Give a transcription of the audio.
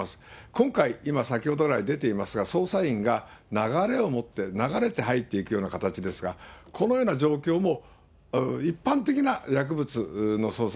今回、今、先ほど来出ていますが、捜査員が流れを持って、流れて入っていくような形ですが、このような状況も一般的な薬物の捜索